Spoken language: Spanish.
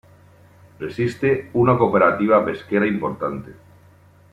Existe una cooperativa pesquera importante.